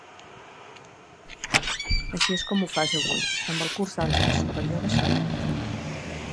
Així és com ho fas avui, amb el Curs d'àlgebra superior de Serret.